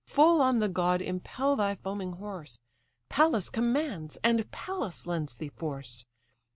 Full on the god impel thy foaming horse: Pallas commands, and Pallas lends thee force.